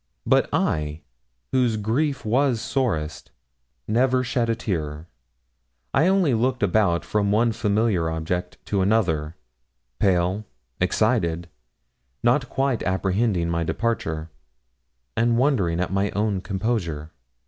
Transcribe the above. But I, whose grief was sorest, never shed a tear. I only looked about from one familiar object to another, pale, excited, not quite apprehending my departure, and wondering at my own composure.